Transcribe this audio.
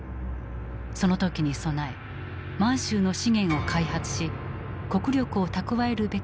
その時に備え満州の資源を開発し国力を蓄えるべきだと考えていた。